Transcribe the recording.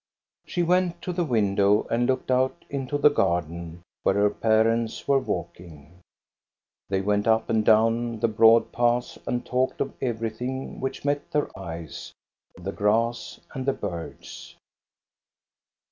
She went to the window and looked out into the garden, where her parents were walking. They went up and down the broad paths and talked of everything which met their eyes, of the grass and the birds.